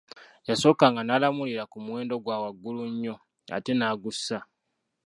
Yasookanga n'alamulira ku muwendo gwa waggulu nnyo, ate n'agussa.